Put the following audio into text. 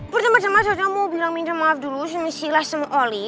pertama tama tata mau bilang minta maaf dulu sama sila sama oli